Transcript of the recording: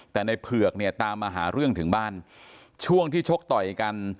แต่ในเผือกเนี่ยตามมาหาเรื่องถึงบ้านช่วงที่ชกต่อยกัน